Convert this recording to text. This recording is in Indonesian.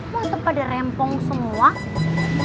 mau tempat ada rempong semua